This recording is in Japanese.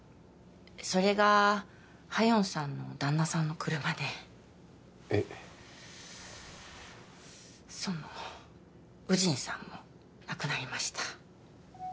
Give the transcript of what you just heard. それが夏英さんの旦那さんの車でえっその祐鎮さんも亡くなりました